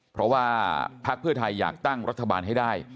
เพราะว่าพักเพื่อไทยอยากตั้งรัฐบาลให้ได้